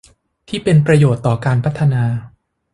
ที่เป็นประโยชน์ต่อการพัฒนา